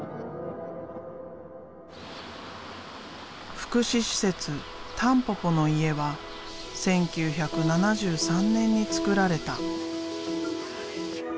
福祉施設「たんぽぽの家」は１９７３年につくられた。